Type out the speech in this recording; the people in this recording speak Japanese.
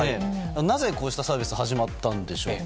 なぜ、こうしたサービスが始まったんでしょうか。